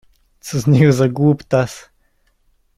Co z niego za głuptas.